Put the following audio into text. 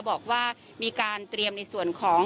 บอกว่ามีการเตรียมในส่วนของ